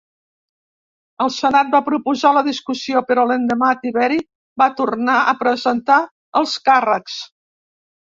El senat va posposar la discussió però l'endemà Tiberi va tornar a presentar els càrrecs.